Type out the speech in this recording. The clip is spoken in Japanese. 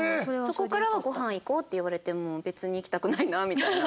そこからは「ご飯行こう」って言われても別に行きたくないなみたいな。